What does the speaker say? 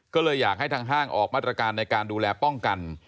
ก็เลยอยากให้ทางห้างออกมาตรการในการดูแลป้องกัน